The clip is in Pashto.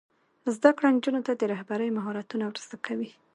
زده کړه نجونو ته د رهبرۍ مهارتونه ور زده کوي.